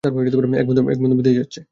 এক বন্ধু বিদেশ যাচ্ছে।